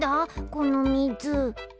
このみず。